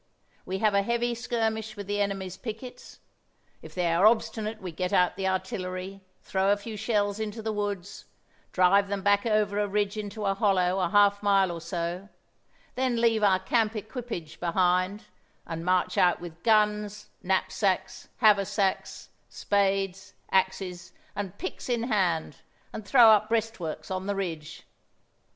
We have a heavy skirmish with the enemy's pickets; if they are obstinate we get out the artillery, throw a few shells into the woods, drive them back over a ridge into a hollow a half mile or so, then leave our camp equipage behind, and march out with guns, knapsacks, haversacks, spades, axes, and picks in hand and throw up breastworks on the ridge.